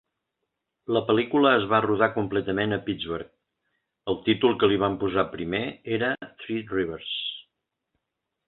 La pel·lícula es va rodar completament a Pittsburgh; el títol que li van posar primer era "Three Rivers".